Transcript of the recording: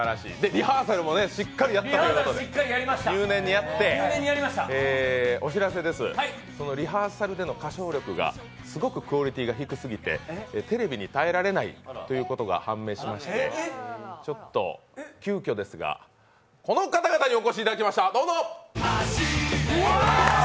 リハーサルもしっかりやったということで、お知らせです、このリハーサルでの歌唱力がすごくクオリティーが低すぎてテレビにたえられないことが判明しましてちょっと急きょですが、この方々にお越しいただきました。